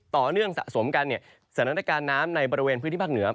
ต่อเนื่องสะสมกันสถานการณ์น้ำในบริเวณพื้นที่ภาคเหนือ